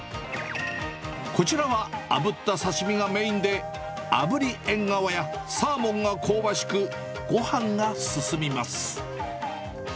こちらがあぶった刺身がメインで、炙りエンガワやサーモンが香ばしく、ごはんが進みます。